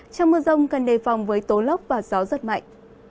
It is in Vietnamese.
trong mưa rông cần đề phòng với tố lốc và gió giật mạnh